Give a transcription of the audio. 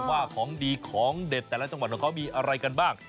ว่าของดีของเด็ดแต่ละจังหวัดของเขามีอะไรกันบ้าง